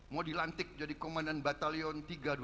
mau dilantik jadi komandan batalion tiga ratus dua puluh